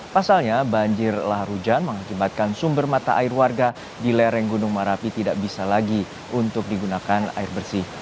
pasalnya banjir lahar hujan mengakibatkan sumber mata air warga di lereng gunung merapi tidak bisa lagi untuk digunakan air bersih